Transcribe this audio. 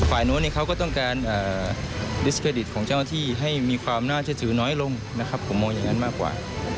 โน้นเขาก็ต้องการดิสเครดิตของเจ้าหน้าที่ให้มีความน่าเชื่อถือน้อยลงนะครับผมมองอย่างนั้นมากกว่า